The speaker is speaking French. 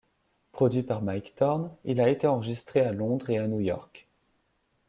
Produit par Mike Thorne, il a été enregistré à Londres et à New York.